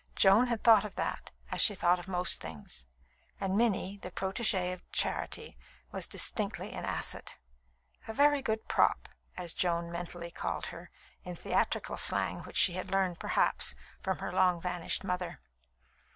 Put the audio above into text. Joan had thought of that, as she thought of most things; and Minnie, the protégée of charity, was distinctly an asset. "A very good prop," as Joan mentally called her, in theatrical slang which she had learned, perhaps, from her long vanished mother.